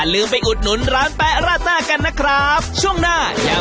แล้วก็เป็นคนแบบใจใจ